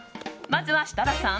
まずは設楽さん